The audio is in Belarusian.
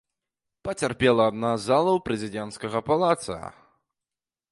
Пацярпела адна з залаў прэзідэнцкага палаца.